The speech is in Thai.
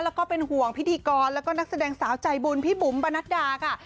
แล้วก็เป็นห่วงพิธีกรแล้วก็นักแสดงสาวใจบุญพี่บุ๋มปะนัดดาค่ะ